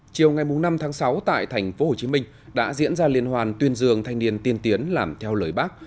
chiều ngày năm tháng sáu tại tp hcm đã diễn ra liên hoàn tuyên dường thanh niên tiên tiến làm theo lời bác